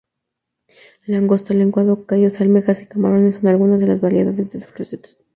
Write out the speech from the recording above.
Langosta, lenguado, callos, almejas y camarones son algunas de las variedades de sus recetas.